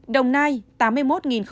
đồng nai tám mươi một sáu mươi bảy